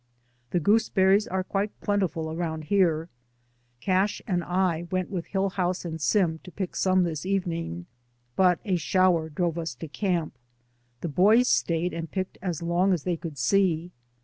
The gooseberries are quite plentiful around here. Cash and I went with Hillhouse and Sirti to pick some this evening, but a shower drove us to camp ; the boys stayed and picked as long as they could see.